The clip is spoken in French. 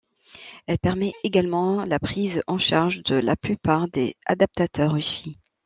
Elle permet également la prise en charge de la plupart des adaptateurs WiFi.